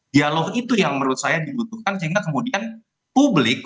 dialog itu yang menurut saya dibutuhkan sehingga kemudian publik